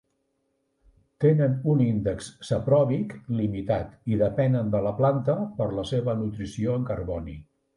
Tenen un índex sapròbic limitat i depenen de la planta per la seva nutrició en carboni.